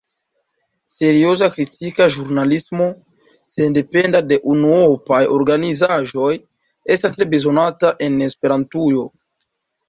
Serioza kritika ĵurnalismo, sendependa de unuopaj organizaĵoj, estas tre bezonata en Esperantujo.